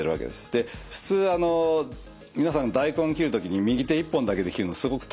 で普通あの皆さんが大根切る時に右手一本だけで切るのすごく大変ですよね。